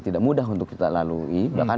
tidak mudah untuk kita lalui bahkan